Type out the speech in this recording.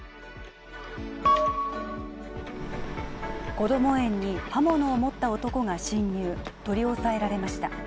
こども園に刃物を持った男が侵入、取り押さえられました。